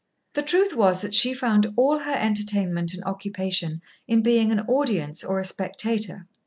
The truth was that she found all her entertainment and occupation in being an audience or a spectator.